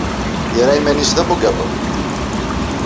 Yerra iman-nnes d abugaṭu.